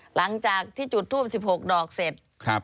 หลังจากที่จุดทูป๑๖ดอกเสร็จ